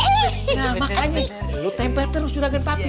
nah makanya lu tempel terus juragan papi